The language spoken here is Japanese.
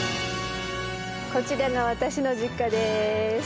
こちらが私の実家です。